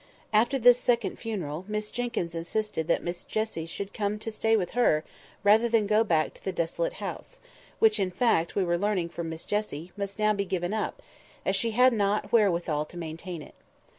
After this second funeral, Miss Jenkyns insisted that Miss Jessie should come to stay with her rather than go back to the desolate house, which, in fact, we learned from Miss Jessie, must now be given up, as she had not wherewithal to maintain it.